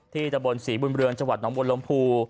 ที่จะบนศรีบุญเบือร์งจหน้ามนลมภู